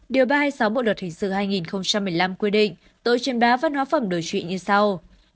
điều ba trăm hai mươi sáu bộ luật hình sự hai nghìn một mươi năm quy định tội truyền bá văn hóa phẩm đối trụy như sau